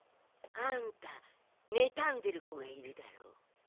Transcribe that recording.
あんたねたんでる子がいるだろう？